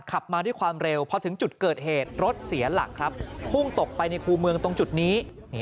ขับมาด้วยความเร็วพอถึงจุดเกิดเหตุรถเสียหลักครับพุ่งตกไปในคู่เมืองตรงจุดนี้